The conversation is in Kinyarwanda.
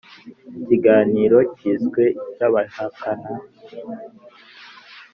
ikiganiro cyiswe icy'abahakana itsembabwoko! amaherezo,